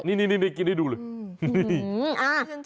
นี่กินให้ดูเลย